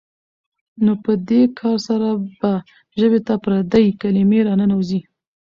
نو په دې کار سره به ژبې ته پردۍ کلمې راننوځي.